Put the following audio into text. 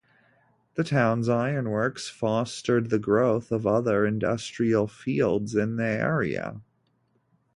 The town's ironworks fostered the growth of other industrial fields in the area.